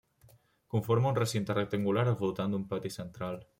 Conforma un recinte rectangular al voltant d'un pati central.